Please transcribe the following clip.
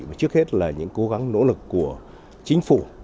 và trước hết là những cố gắng nỗ lực của chính phủ